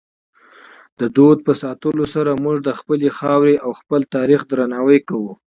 د فرهنګ په ساتلو سره موږ د خپلې خاورې او خپل تاریخ درناوی کوو.